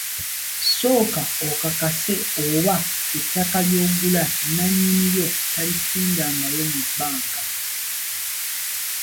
Sooka okakase oba ettaka ly'ogula nnannyini lyo talisingangayo mu bbanka.